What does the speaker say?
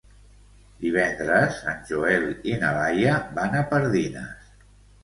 Divendres en Joel i na Laia van a Pardines.